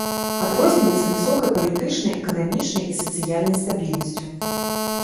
Адрозніваецца высокай палітычнай, эканамічнай і сацыяльнай стабільнасцю.